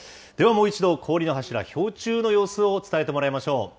ではもう一度、氷の柱、氷柱の様子を伝えてもらいましょう。